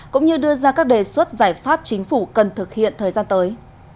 cũng như đưa ra các đề xuất giải pháp chính phủ cần thực hiện thời gian tới